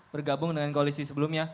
bergabung dengan koalisi sebelumnya